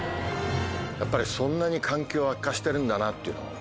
やっぱりそんなに環境悪化してるんだなっていうのを。